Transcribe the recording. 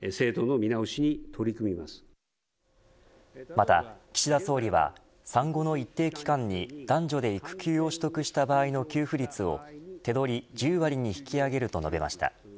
また岸田総理は産後の一定期間に、男女で育休を取得した場合の給付率を手取り１０割に引き上げると述べました。